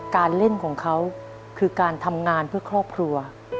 การเล่นของเขาคือการทำงานเพื่อครอบครัว